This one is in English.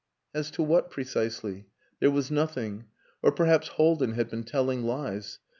As to what precisely? There was nothing. Or perhaps Haldin had been telling lies....